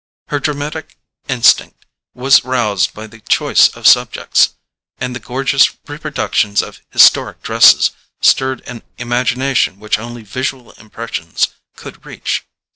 Her dramatic instinct was roused by the choice of subjects, and the gorgeous reproductions of historic dress stirred an imagination which only visual impressions could reach.